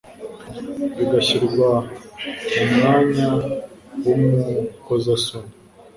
bigashyirwa mu mwanya w'umkozasoni